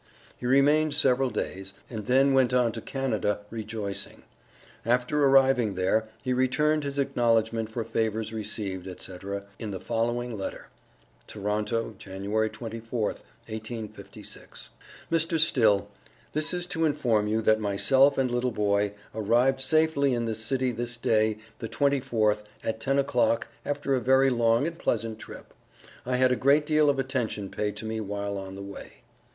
He remained several days, and then went on to Canada rejoicing. After arriving there he returned his acknowledgment for favors received, &c., in the following letter: TORONTO Jan 24th 1856. MR. STILL: this is to inform you that Myself and little boy, arrived safely in this city this day the 24th, at ten o'clock after a very long and pleasant trip. I had a great deal of attention paid to me while on the way.